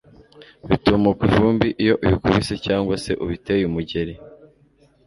bitumuka ivumbi iyo ubikubise cyangwa se ubiteye umugeri